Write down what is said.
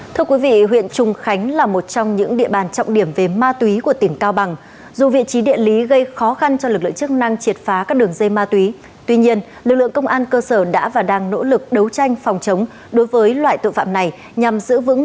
thưa quý vị huyện trùng khánh là một trong những địa bàn trọng điểm về ma túy của tỉnh cao bằng dù vị trí địa lý gây khó khăn cho lực lượng chức năng triệt phá các đường dây ma túy tuy nhiên lực lượng công an cơ sở đã và đang nỗ lực đấu tranh phòng chống đối với loại tội phạm này